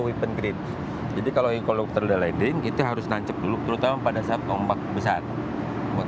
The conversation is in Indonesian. weapon grid jadi kalau helikopter udah landing itu harus nancep dulu terutama pada saat ombak